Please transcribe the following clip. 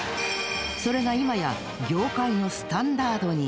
それが今や業界のスタンダードに。